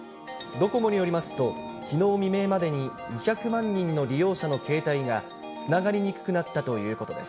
ドコモによりますと、きのう未明までに、２００万人の利用者の携帯がつながりにくくなったということです。